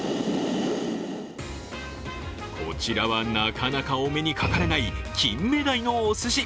こちらは、なかなかお目にかかれない金目鯛のおすし。